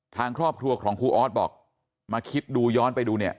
ทางครอบครัวของครูออสบอกมาคิดดูย้อนไปดูเนี่ย